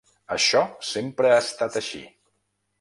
Això sempre ha estat així.